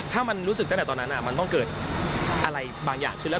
ถ้ามันรู้สึกตั้งแต่ตอนนั้นมันต้องเกิดอะไรบางอย่างขึ้นแล้ว